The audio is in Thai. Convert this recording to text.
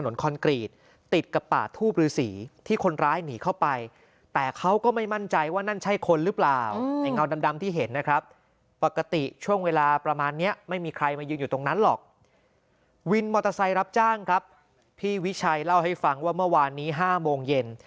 วินมอเตอร์ไซรับจ้างครับพี่วิชัยเล่าให้ฟังว่าเมื่อวานนี้๕โมงเย็น